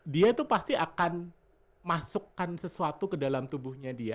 dia tuh pasti akan masukkan sesuatu ke dalam tubuhnya dia